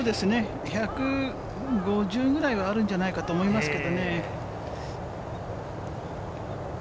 １５０ぐらいはあるんじゃないかと思いますけれどもね。